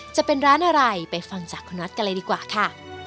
จะเป็นร้านอะไรไปฟังจากคุณน็อตกันเลยดีกว่าค่ะ